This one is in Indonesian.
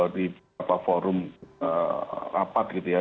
di beberapa forum rapat gitu ya